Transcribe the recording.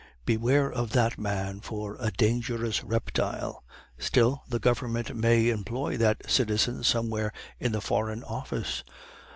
Beware of that man for a dangerous reptile. Still, the Government may employ that citizen somewhere in the Foreign Office.